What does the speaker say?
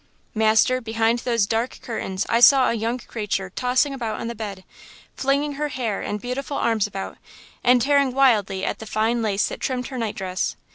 "Master, behind those dark curtains I saw a young creature tossing about on the bed, flinging her hair and beautiful arms about and tearing wildly at the fine lace that trimmed her night dress.